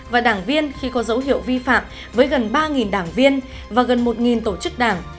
và đảng viên khi có dấu hiệu vi phạm với gần ba đảng viên và gần một tổ chức đảng